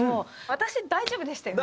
私大丈夫でしたよね？